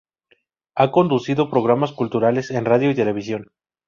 Ha conducido programas culturales en radio y televisión.